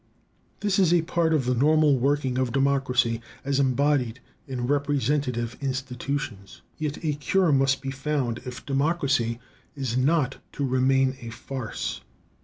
This is part of the normal working of democracy as embodied in representative institutions. Yet a cure must be found if democracy is not to remain a farce.